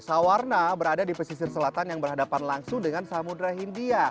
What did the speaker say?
sawarna berada di pesisir selatan yang berhadapan langsung dengan samudera hindia